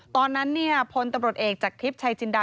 ตอนนั้นพลตำรวจเอกจากทิพย์ชัยจินดา